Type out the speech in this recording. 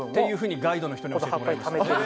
ガイドの人に教えてもらいました。